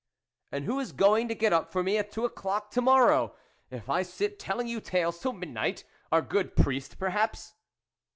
" And who is going to get up for me at two o'clock to morrow, if I sit telling you tales till midnight ? Our good priest, perhaps